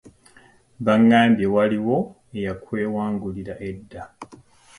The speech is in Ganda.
Baŋŋambye waliwo eyakwewangulira edda.